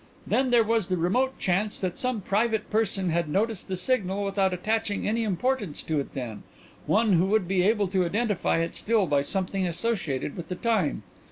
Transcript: Then there was the remote chance that some private person had noticed the signal without attaching any importance to it then, one who would be able to identify it still by something associated with the time.